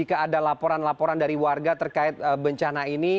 apakah ada laporan laporan dari warga terkait bencana ini